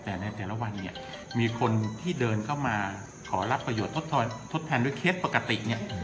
แต่ในแต่ละวันเนี่ยมีคนที่เดินเข้ามาขอรับประโยชนทดแทนด้วยเคสปกติเนี่ย